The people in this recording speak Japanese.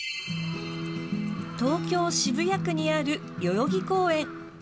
東京・渋谷区にある代々木公園。